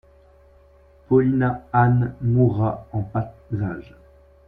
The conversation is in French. Paulina Ann mourra en bas âge.